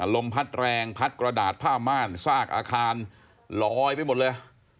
ลมพัดแรงพัดกระดาษผ้าม่านซากอาคารลอยไปหมดเลย